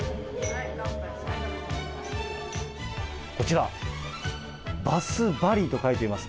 こちら、バス・バリと書いています。